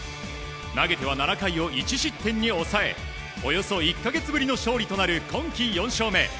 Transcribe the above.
投げては７回を１失点に抑えおよそ１か月ぶりの勝利となる今季４勝目。